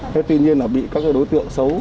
thế tuy nhiên là bị các đối tượng xấu